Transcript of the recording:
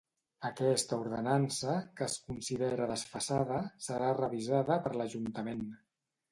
Aquesta ordenança, que es considera desfasada, serà revisada per l'Ajuntament.